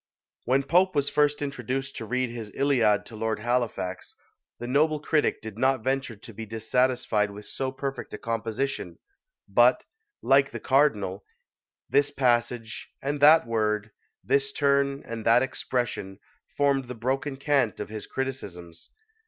When Pope was first introduced to read his Iliad to Lord Halifax, the noble critic did not venture to be dissatisfied with so perfect a composition; but, like the cardinal, this passage, and that word, this turn, and that expression, formed the broken cant of his criticisms.